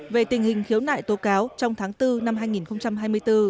về tình hình khiếu nại tố cáo trong tháng bốn năm hai nghìn hai mươi bốn